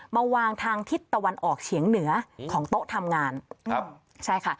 มาวางทางทิศตะวันออกเฉียงเหนือของโต๊ะทำงานครับใช่ค่ะ